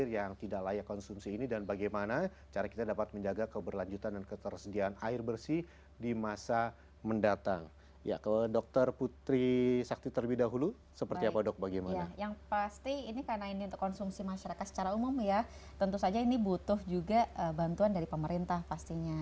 yang pasti ini karena ini untuk konsumsi masyarakat secara umum ya tentu saja ini butuh juga bantuan dari pemerintah pastinya